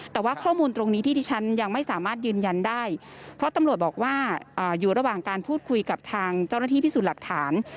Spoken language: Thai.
แต่ว่าข้อมูลตรงนี้ที่ที่ฉันยังไม่สามารถยืนยันได้เพราะตำรวจบอกว่าอยู่ระหว่างการพูดคุยกับทางเจ้าหน้าที่พิสูจน์หลักฐาน